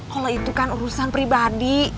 kalau itu kan urusan pribadi